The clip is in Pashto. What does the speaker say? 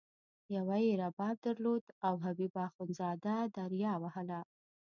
یوه یې رباب درلود او حبیب اخندزاده دریا وهله.